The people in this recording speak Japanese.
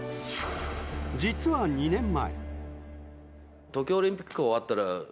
実は２年前。